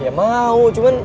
ya mau cuman